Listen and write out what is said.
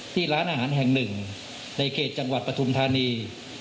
ร้านอาหารแห่งหนึ่งในเขตจังหวัดปฐุมธานี